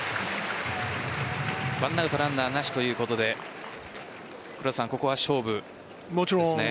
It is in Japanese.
１アウトランナーなしということでここは勝負ですね？